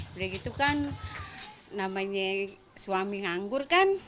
jadi gitu kan namanya suami nganggur kan